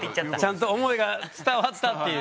ちゃんと思いが伝わったっていう。